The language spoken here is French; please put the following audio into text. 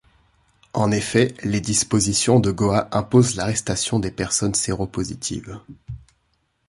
En effet, les dispositions de Goa imposent l'arrestation des personnes séropositives.